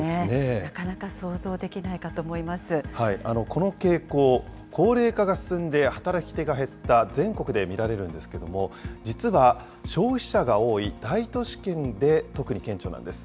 なかなか想像できないかと思この傾向、高齢化が進んで働き手が減った全国で見られるんですけれども、実は消費者が多い大都市圏で特に顕著なんです。